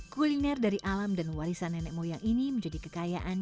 kuliner dari alam dan warisan nenek moyang ini menjadi kekayaan